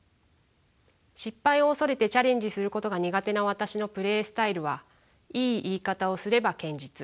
失敗を恐れてチャレンジすることが苦手な私のプレースタイルはいい言い方をすれば堅実。